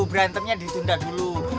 berantemnya ditunda dulu